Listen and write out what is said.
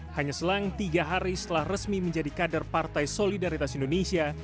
hanya selang tiga hari setelah resmi menjadi kader partai solidaritas indonesia